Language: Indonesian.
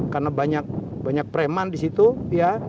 karena banyak preman di situ ya